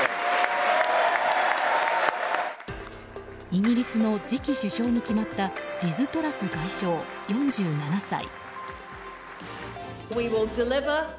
イギリスの次期首相に決まったリズ・トラス外相、４７歳。